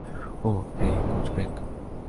Oh, hey, coach bake.